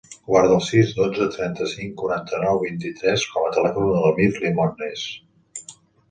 Guarda el sis, dotze, trenta-cinc, quaranta-nou, vint-i-tres com a telèfon de l'Amir Limones.